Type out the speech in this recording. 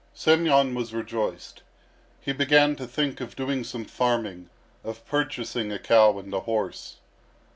Semyon was rejoiced. He began to think of doing some farming, of purchasing a cow and a horse.